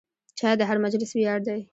چای د هر مجلس ویاړ دی.